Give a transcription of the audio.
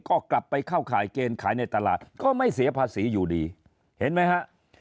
ก็กลับไปเข้าข่ายเกณฑ์ขายในตลาดก็ไม่เสียภาษีอยู่ดีเห็นไหมฮะ